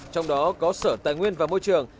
trong đó có sở tài nguyên và môi trường